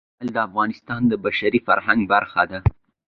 لعل د افغانستان د بشري فرهنګ برخه ده.